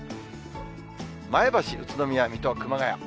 前橋、宇都宮、水戸、熊谷。